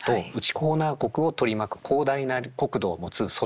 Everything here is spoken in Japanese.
ホーナー国を取り巻く広大な国土を持つ外